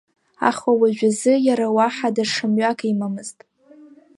Аха уажәазы иара уаҳа даҽа мҩак имамызт.